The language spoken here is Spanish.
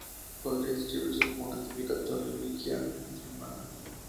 Podría describirse como una típica torre vigía musulmana.